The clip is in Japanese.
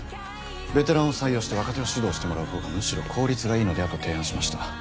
ベテランを採用して若手を指導してもらうほうがむしろ効率がいいのではと提案しました。